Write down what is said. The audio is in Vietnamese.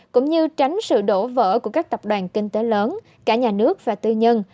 cũng như tránh sự đổ vỡ của các tập đoàn kinh tế lớn cả nhà nước và tư nhân